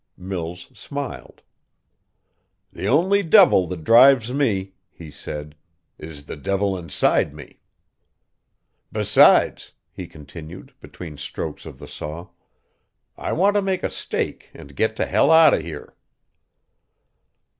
Mills smiled. "The only devil that drives me," he said, "is the devil inside me. "Besides," he continued, between strokes of the saw, "I want to make a stake and get to hell out of here."